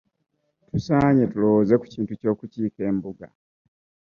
tusaanye tulowooze ku kintu ky'okukiika e mbuga.